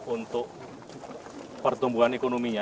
untuk pertumbuhan ekonominya